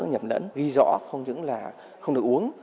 nhầm lẫn ghi rõ không những là không được uống